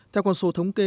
theo con số thống kê